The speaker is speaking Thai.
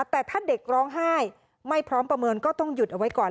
แต่ถ้าเด็กร้องไห้ไม่พร้อมประเมินก็ต้องหยุดเอาไว้ก่อน